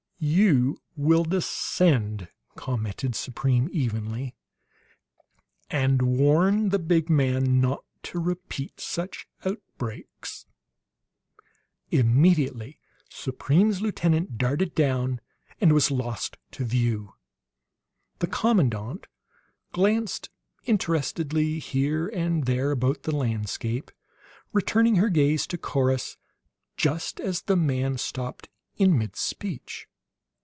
"You will descend," commented Supreme evenly, "and warn the big man not to repeat such outbreaks." Immediately Supreme's lieutenant darted down, and was lost to view. The commandant glanced interestedly here and there about the landscape, returning her gaze to Corrus just as the man stopped in mid speech.